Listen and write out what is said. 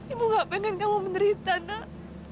ibu gak pengen kamu menderita nak